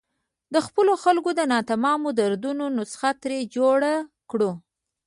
د خپلو خلکو د ناتمامو دردونو نسخه ترې جوړه کړو.